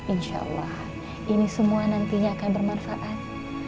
insya allah ini semua nantinya akan bermanfaat